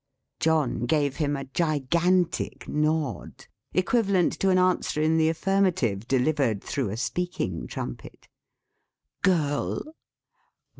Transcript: John gave him a gigantic nod; equivalent to an answer in the affirmative, delivered through a speaking trumpet. "Girl?"